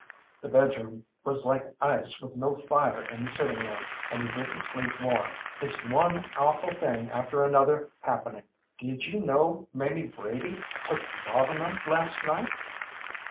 The bedroom was like ice with no fire in the sitting room, and he didn't sleep warm. It's one awful thing after another happening. Did you know Mamie Brady took laudanum last night?"